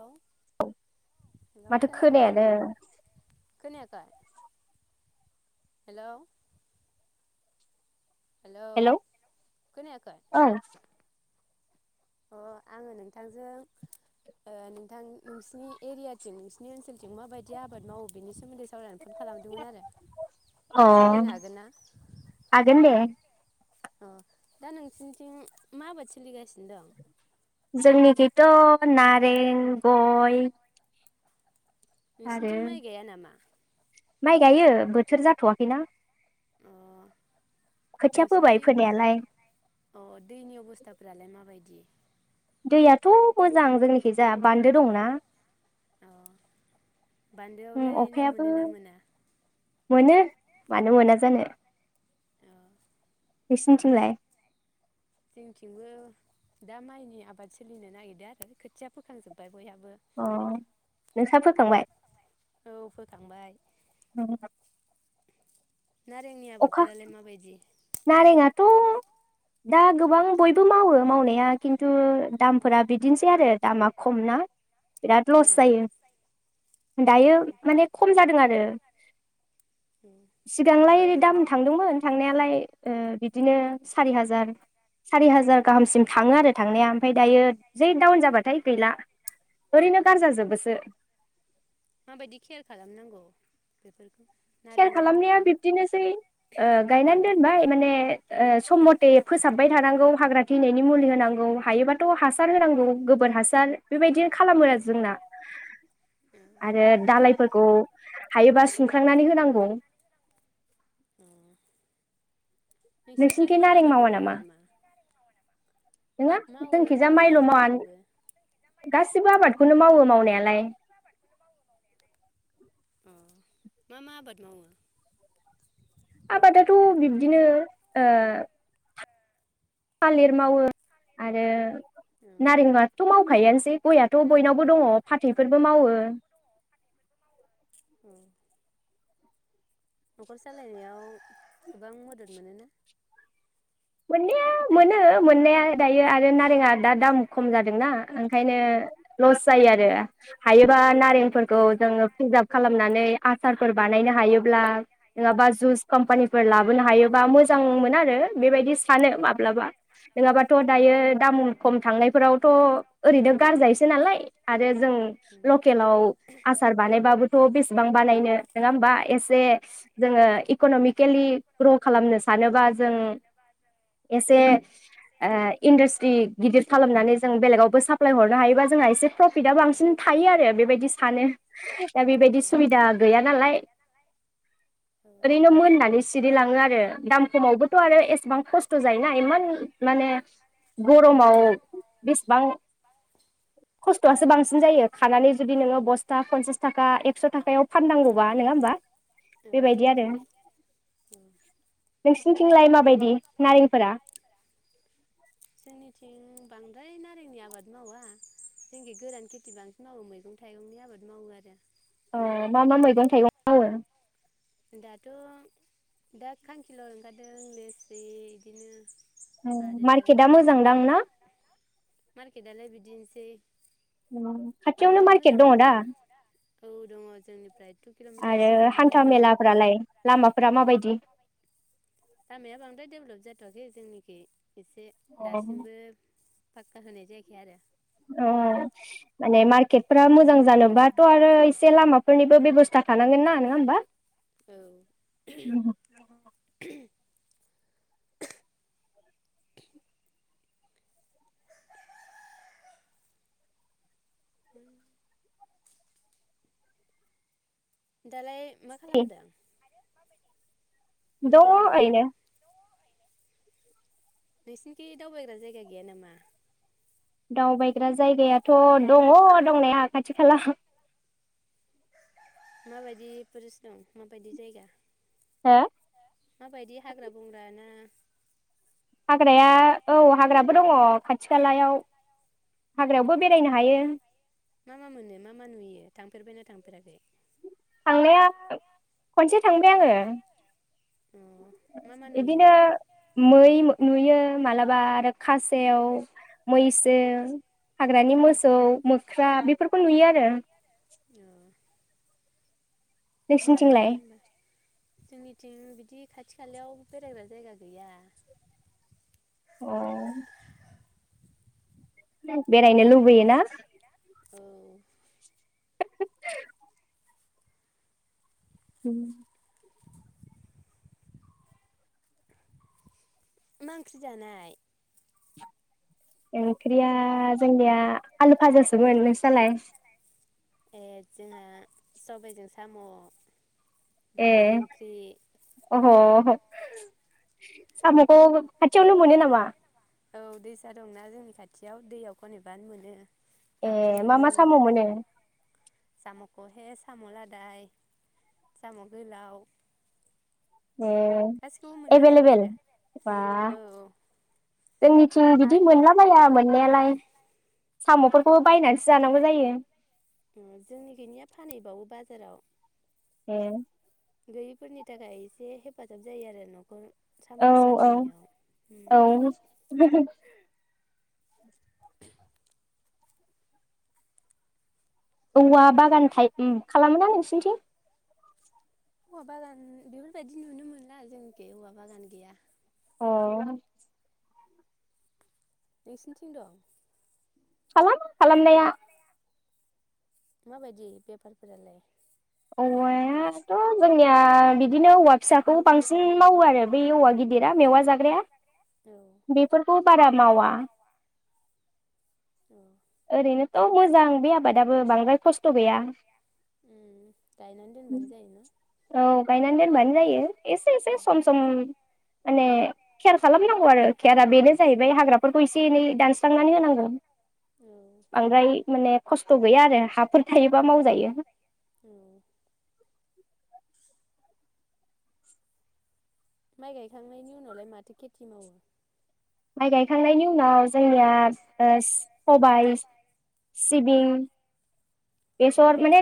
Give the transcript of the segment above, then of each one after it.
Hello hello माथो खोनादों ना खोनायानो खोनायाखै [unintelligible] हेल' हेलौ खोनायाखै? औ अ आङो नोंथांजों ओ नोंथां नोंसिनि एरियाथिं नोंसोरनि ओनसोलथिं माबायदि आबाद मावो बेनि सोमोन्दै सावरायनो फन खालामदोंमोन आरो अ सावरायनो हागोन ना? हागोन दे अ दा नोंसिनिथिं मा आबाद सोलिगासिनो दं? जोंनिखैथ' नारें, गय आरो नोंसिनिथिं माइ गाया नामा? माइ गायो बोथोर जाथ'वाखैना। अ खोथिया फोबाय फोनायालाय नोंसिनिथिं अ दैनि अबस्थाफोरालाय माबायदि? दैयाथ' मोजां जोंनिखैजा बान्दो दं ना। अ उम बान्दोआवलाय ना अखायाबो मोनोना मोना? मोनो मानो मोना जानो। अ नोंसिनिथिंलाय? जोंथिंबो दा माइनि आबाद सोलिनो नागिरदों आरो खोथिया फोखांजोब्बाय। बयहाबो। खांबाय। औ फोखांबाय। नारेंनि आबादफोरालाय माबायदि? थ' दा गोबां बयबो मावो मावनाया किन्तु दामफोरा बिदिनोसै आरो दामा खम ना। बिराद औ लस औ जायो औ दायो माने खम जादों आरो सिगांलाय दाम थांदोंमोन थांनायालाय ओ बिदिनो सारि हाजार सारि हाजार गाहामसिम थाङो आरो थांनाया ओमफाय दायो जै डाउन जाबाथाय गैला ओरैनो औ गार जाजोबोसो। माबायदि केयार [inaudible] खेयार नारेंनि खालामनाया आबादखौ बिबदिनोसै ओ गायनानै दोन बाय माने ओ सम मते फोसाबबाय थानांगौ हाग्रा थैनायनि मुलि होनांगौ हायोबाथ' हासार होनांगौ गोबोर हासार बेबायदि खालामो आरो जोंना। आरो दालायफोरखौ हायोबा सुमखांनानै हो। नांगौ। [inaudible] नोंसिनिथिं माइ नारें मावा आबादल' मावो नामा नङा मावो जोंनिथिंजाय मावनाया माइल' मावा जोंथिंबो गाससिबो आबादखौनो मावो मावनायालाय। अ मा मा आबाद मावो? आबादाथ' बिब्दिनो ओ थालिर मावो आरो नारेंआथ' माव खायोनोसै गयाथ' बयनावबो दङ फाथैफोरबो मावो। [unintelligible] न'खर सालायनायाव गोबां मदद मोनोना? मोननाया मोनो मोननाया दायो आरो नारेंआ दा दाम खम जादोंना ओंखायनो लस जायो आरो हायोबा नारेंफोरखौ जोङो प्रिजार्भ खालामनानै आसारफोर बानायनो हायोब्ला नङाबा जुस कम्पानिफोर लाबोनो हायोबा मोजां मोन आरो बेबायदि माब्लाबा नङाबाथ' दायो औ दाम खम थांनायफोरावथ' ओरैनो गारजायोसो नालाय आरो जों उम लकेलाव आसार बानायबाबोथ' बेसेबां बानायनो नङा होमबा एसे औ जोङो इक'नमिकेलि ग्र' खालामनो सानोबा जों एसे ओ इन्डास्ट्रि गिदिर खालामनानै जों बेलेगावबो साप्लाय हरनो हायोबा जोंहा एसे प्रफिटआ बांसिन थायो आरो बेबायदि सानो दा बेबायदि सुबिदा गैया नालाय औ ओरैनो नानै सिरिलाङो आरो दाम खमावबोथ' आरो एसेबां खस खस्थ' जायोना इमान माने गरमाव बेसेबां खस्थ'आसो बांसिन जायो खानानै जुदि नोङो बसथा पनसास थाखा एकस' थाखायाव फाननांगौबा नङा होमबा बेबायदि आरो। औ। नोंसिनिथिंलाय माबायदि? नारेंफोरा जोंनिथिं बांद्राय नारेंनि आबाद मावा जोंखि गोरान खेथि बांसिन मावो मैगं थाइगंनि आबाद मावो आरो। अ मा मा मैगं थाइगं मावो? दाथ' दा खांखिल' ओंखारदों लेस्रि बिदिनो आरो मार्केटआ मोजांदां मार्केटदा मोजां ना नोंना मार्केटदालाय बिदिनोस सै [inaudible] खाथियावनो मार्केट दङ नङा दा? आरो औ दङ जोंनिफ्राय टु किलमिटारसो थांबानो मोनो आरो। फोरालाय लामाफोरा मा बायदि लामाया बांद्राय देभेलप जाया जाथ'आखै जोंनिखै एसे दासिमबो पकका जानाय जायाखै आरो। अ माने मार्केट फोरा मोजां जानोबाथ आरो एसे लामाफोरनि बेबस्था थानांगोन ना नङा होमबा? औ उम्म दालाय मा खालामदों? दङ मोजां आयनो। नोंसिनिखि दावबायग्रा जायगा गैया नामा? दावबायग्रा जायगायाथ दङ दंनाया खाथि खाला। माबायदि पुरिस्ट दं माबायदि जायगा हो माबायदि हाग्रा बंग्रा ना हाग्राया औ हाग्राबो दंङ खाथि खालायाव हाग्रायावबो बेरायनो हायो मा मा मोनो मा मा नुयो थांफेरबायना थांफेराखै थांनाया खनसे थांबाय आंङो अ मा मा नुयो बिदिनो मै नुयो मालाब माबा आरो खासेव मैसो हाग्रानि मोसौ मोख्रा बेफोरखौ नुयो आरो औ नोंसिनिथिंलाय मोजांङानो होमबा जोंनिथिं बिदि खाथि खालायाव बेरायग्रा जायगा गैया अ बेरायनो लुबैयो ना औ [unintelligible] उम मा ओंख्रि जानाय ओंख्रिया जोंनिया आलु फाजासोमोन नोंस्रानालाय ए जोंहा सबायजों साम' बर'नि एह ओंख्रि अ सामखौ खाथियावनो मोनो नामा औ दैसा दंना जोंनि खाथियाव दैयाव खनहैबानो मोनो ए नाबो मा मा साम मोनो सामखौ हे साम लादाय साम गोलाव ए गासिखौबो मोननो हायो एभेलेबेल आरो बा औ औ जोंनिथिं बिदि आरो मोनलाबाया मोननायालाय साम'फोरखौबो बायनानैसो जानांगौ जायो जोंनि थिंनिनाया फानहैबावो बाजाराव ए गोरिबफोरनि थाखाय एसे हेफाजाब जायो आरो नखर औ औ सालायनायाव औ औवा बागान था खालामो नोंसोरनिथिं हौवा बागान बेफोरबायदि नुनो मोनला जोंखि हौवा बागान गैया अ नोंसोरनिथिं दं खालामो खालामनाया माबायदि बेफारफोरालाय फालां औवायाथ' जोंनिया बिदिनो औवा फिसाखौ बांसिन मावो आरो बे औवा गिदिरा मेवा जाग्राया औ बेफोरखौ बारा मावा औ ओरैनोथ' मोजां बे आबादाबो बांद्राय खस्थ' गैया उम गायनानै दोनबानो जायोना औ गायनानै दोनबानो जायो एसे एसे सम सम माने केयार खालामनांगौ आरो केयारा बेनो जाहैबाय हाग्राफोरखौ एसे एनै दानस्रांनानै होनांगौ। औ बांद्राय माने खस्थ' गैया आरो हाफोर थायोबा मावजायो। औ माइ गायखांनायनि उनावलाय माथो खेथि मावो। माइ गायखांनायनि उनाव जोंनिया सबाइ सिबिं अ बेसर माने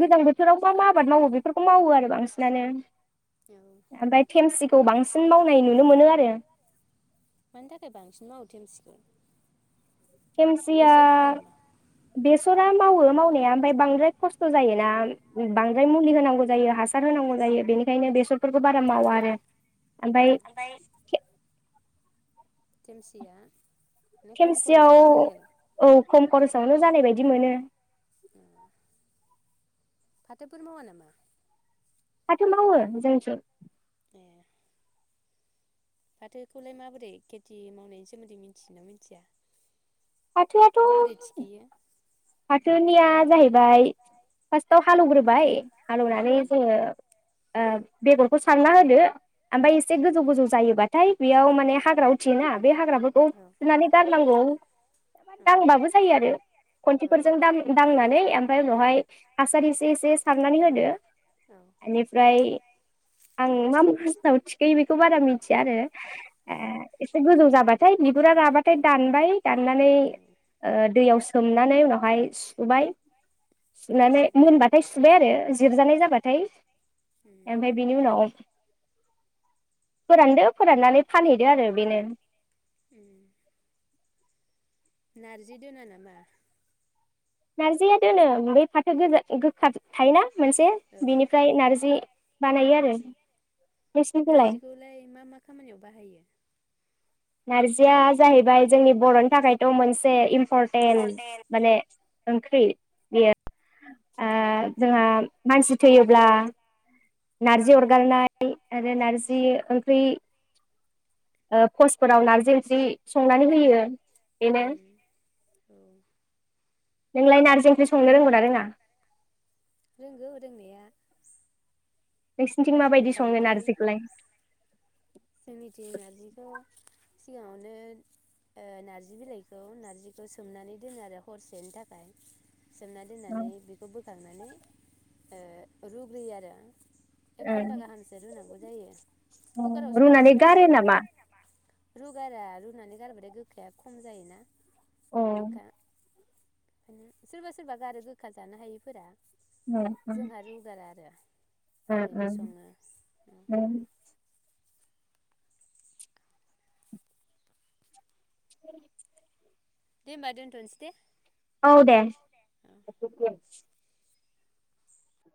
गोजां बोथोराव मा मा आबाद मावो बेफोरखौ मावो आरो बांसिनानो औ ओमफ्राय थेमसिखौ बांसिन मावनाय नुनो मोनो आरो। मानि थाखाय बांसिन [inaudible] खेमसिया बेसर मावा नामा बेसरा मावो मावनाया ओमफ्राय बांद्राय खस्थ' जायोना औ बांद्राय मुलि होनांगौ जायो हा हार होनांगौ जायो बेनिखायनो बेसरफोरखौ बारा मावा आरो। ओमफ्राय जेमसिया। खेमसियाव औ। खरसयावनो जानाय बायदि मोनो। [inaudible] फाथोफोर मावा नामा? फाथो मावो जोंनिथिं। ए फाथोखौलाय माबोरै खेथि मावनायनि सोमोन्दै मिथियो ना मिथिया। फाथोआथ'' माबोरै थिखोयो फाथोनिया जाहैबाय फार्स्टआव हालौवग्रोबाय। हालौनानै उम जोङो ओ बेगरखौ सारना होदो ओमफ्राय एसे गोजौ गोजौ जायोबाथाय बेयाव माने हाग्रा उथियोना बे हाग्राफोरखौ औ फुनानै गारनांगौ औ बाबो जायो आरो। औ खुन्थिफोरजों दाम दांनानै ओमफ्राय उनावहाय हासार इसे इसे सारनानै होदो औ इनिफ्राय आं मा [unintelligible] खौ बारा मिथिया आरो ओ औ एसे गोजौ जाबाथाय बिगुरा राबाथाय दानबाय दाननानै ओ दैयाव सो सोमनानै उनाव हाय सुबाय सुनानै औ मोनबाथाय सुबाय आरो जिरजानाय जाबाथाय उम ओमफाय बेनि उनाव फोरानदो फोराननानै फानहैदो आरो बेनो उम नारजि दोना नामा नारजिया दोनो बै फाथो गोजा गोखा थायोना मोनसे औ बिनिफ्राय नारजि बानायो आरो। नोंसिनिखौलाय नारजिखौलाय मा मा खामानियाव बाहायो। नारजिया जाहैबाय जोंनि बर'नि थाखायथ' मोनसे इन फरतेन माने ओंख्रि बेयो। ओ अ उम जोंहा मानसि थैयोब्ला नारजि अरगारनाय आरो नारजि ओंख्रि ओ भस फोराव नारजि ओंख्रि संनानै होयो इनो औ नोंलाय नारजि ओंख्रि संनो रोंगौना रोङा। रोंगौ रोंनाया नोंसिनिथिं माबायदि सङो बांद्राय नारजिखौलाय। जोंनिथिं नारजिखौ सिगाङावनो ओ नार्जि बिलाइखौ नार्जिखौ सोमनानै दोनो आरो हरसेनि थाखाय सोमना दोननानै बेखौ बोखांना माने ओ रुग्रोयो आरो एक ओ घन्टा गाहामसो रुनांगौ जायो अ कुकार आवसो रुनानै गारो नामा रुगारा रुनानै गारबाथाय गोखाया खम जायोना ओ गथा सोरबा सोरबा गारो गोखा जानो हायिफोरा ओ जोंहा रुगारा आरो ओ ओरैनो सङो ओ औ दे होमबा दोनथ'नोसै दे औ दे